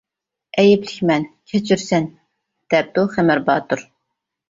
ئەيىبلىك مەن، كەچۈرىسەن دەپتۇ، -خېمىر باتۇر.